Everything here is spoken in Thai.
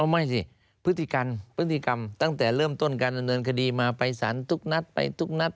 ไม่สิพฤติกรรมพฤติกรรมตั้งแต่เริ่มต้นการดำเนินคดีมาไปสารทุกนัดไปทุกนัด